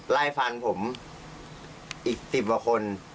ไล่ฟันผมอีก๑๐กว่าคน